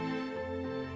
kami harus minta dana itu